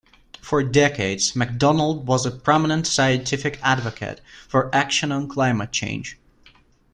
For decades, MacDonald was a prominent scientific advocate for action on climate change.